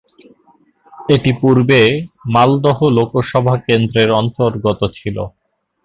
এটি পূর্বে মালদহ লোকসভা কেন্দ্রের অন্তর্গত ছিল।